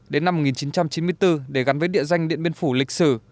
đến năm một nghìn chín trăm chín mươi bốn để gắn với địa danh điện biên phủ lịch sử